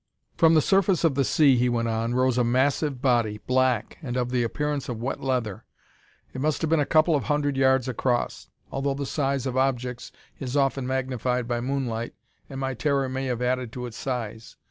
"From the surface of the sea," he went on, "rose a massive body, black, and of the appearance of wet leather. It must have been a couple of hundred yards across, although the size of objects is often magnified by moonlight and my terror may have added to its size.